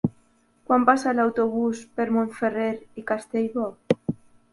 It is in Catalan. Quan passa l'autobús per Montferrer i Castellbò?